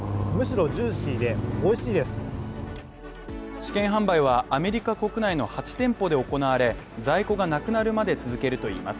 試験販売は、アメリカ国内の８店舗で行われ在庫がなくなるまで続けるといいます。